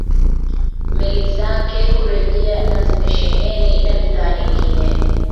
Meli zake kurejea na zimesheheni na bidhaa nyingine